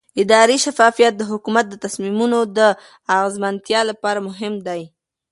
اداري شفافیت د حکومت د تصمیمونو د اغیزمنتیا لپاره مهم دی